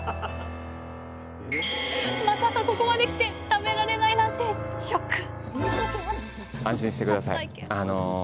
まさかここまで来て食べられないなんてショック！